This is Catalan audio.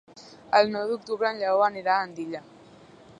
El nou d'octubre en Lleó anirà a Andilla.